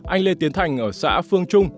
anh lê tiến thành ở xã phương trung